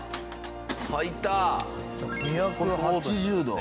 ２８０度。